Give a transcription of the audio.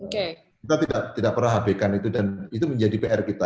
kita tidak pernah habiskan itu dan itu menjadi pr kita